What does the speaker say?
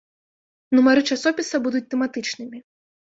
Нумары часопіса будуць тэматычнымі.